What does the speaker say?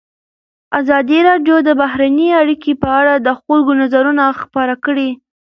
ازادي راډیو د بهرنۍ اړیکې په اړه د خلکو نظرونه خپاره کړي.